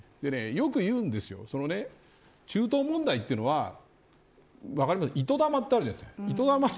よく言うんですけど中東問題というのは糸玉ってあるじゃないですか。